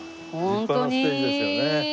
立派なステージですよね。